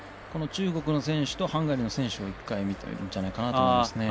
中国の選手とハンガリーの選手を１回、見てるんじゃないかなと思います。